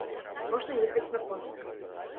Можна ехаць на концы.